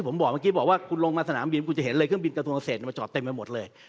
ผมบอกเมื่อกี้บอกว่าคุณลงมาสนามบินคุณจะเห็นเลยเครื่องบินกระทรวงเกษตรมาจอดเต็มไปหมดเลย